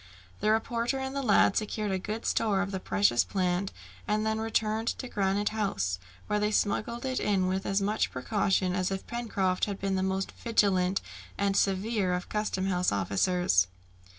The reporter and the lad secured a good store of the precious plant, and then returned to Granite House, where they smuggled it in with as much precaution as if Pencroft had been the most vigilant and severe of custom house officers.